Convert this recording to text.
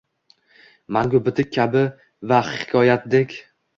Mangu bitik kabi va hikoyatdek